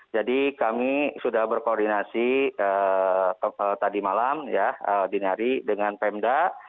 jadi kami sudah berkoordinasi tadi malam ya dinari dengan pemda